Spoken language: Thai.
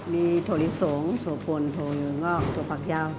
มีโคลสูงพักย่าว